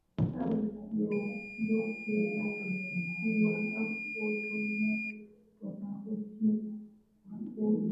aa usiondoke ukiwa hapo dodoma tutarudi kwako hivi